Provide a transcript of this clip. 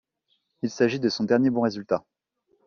Il s'agit de son dernier bon résultat.